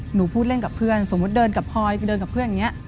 หนูพูดเล่นกับเพื่อนสมมุติเดินกับพลอยคือเดินกับเพื่อนอย่างนี้